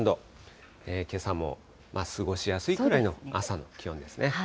けさも過ごしやすいくらいの朝の気温ですね。